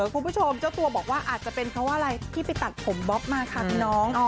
คุณผู้ชมเจ้าตัวบอกว่าอาจจะเป็นเพราะว่าอะไรที่ไปตัดผมบ๊อบมาค่ะพี่น้อง